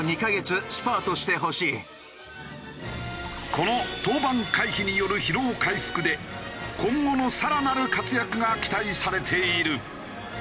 この登板回避による疲労回復で今後の更なる活躍が期待されている。